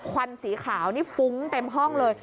ควันสีขาวนี่ฟุ้งเต็มห้องเลย